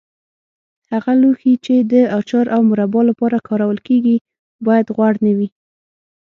هغه لوښي چې د اچار او مربا لپاره کارول کېږي باید غوړ نه وي.